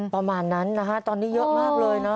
ประมาณนั้นนะฮะตอนนี้เยอะมากเลยนะ